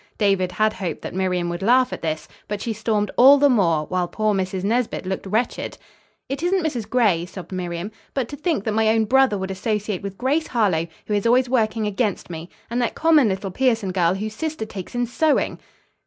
David had hoped that Miriam would laugh at this, but she stormed all the more, while poor Mrs. Nesbit looked wretched. "It isn't Mrs. Gray," sobbed Miriam. "But to think that my own brother would associate with Grace Harlowe, who is always working against me, and that common little Pierson girl whose sister takes in sewing!"